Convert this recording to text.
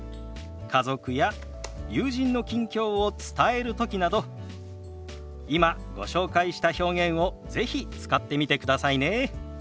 家族や友人の近況を伝える時など今ご紹介した表現を是非使ってみてくださいね。